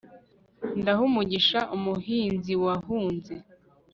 ndaha umugisha umuhinziwahunze